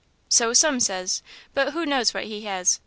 "So some says; but who knows what he has?